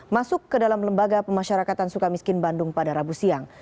masuk ke dalam lembaga pemasyarakatan sukamiskin bandung pada rabu siang